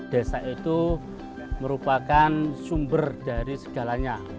desa itu merupakan sumber dari segalanya